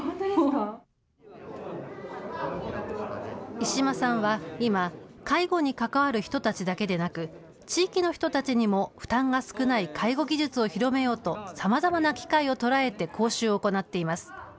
石間さんは今、介護に関わる人たちだけでなく、地域の人たちにも負担が少ない介護技術を広めようと、さまざまな機会を捉えて講習を行っています。